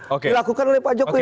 dilakukan oleh pak jokowi